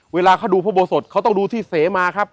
เวลาเขาดูพระโบสถเขาต้องดูที่เสมาครับ